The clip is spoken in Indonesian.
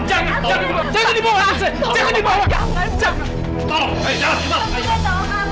tua itu buat menang darah